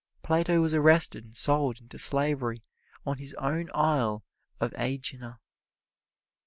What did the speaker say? Plato was arrested and sold into slavery on his own isle of Ægina.